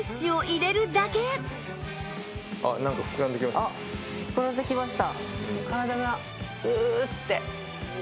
そこで膨らんできました。